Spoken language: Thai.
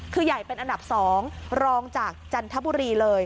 คือใหญ่เป็นอันดับ๒รองจากจันทบุรีเลย